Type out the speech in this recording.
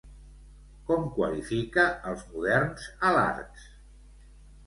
Com qualifica els moderns alarbs?